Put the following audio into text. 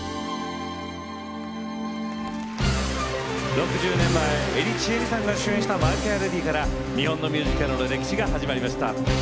６０年前江利チエミさんが主演した「マイ・フェア・レディ」から日本のミュージカルの歴史が始まりました。